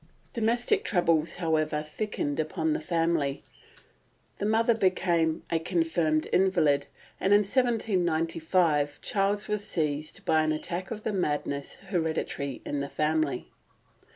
Domestic troubles, however, thickened upon the family; the mother became a confirmed invalid, and in 1795 Charles was seized by an attack of the madness hereditary in the family.